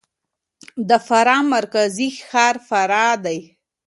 د فراه مرکزي ښار فراه دی.